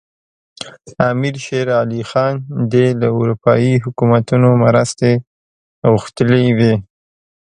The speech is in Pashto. امیر شېر علي خان دې له اروپایي حکومتونو مرستې غوښتلي وي.